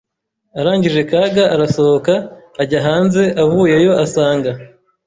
arangije Kaga arasohoka ajya hanze avuyeyo asanga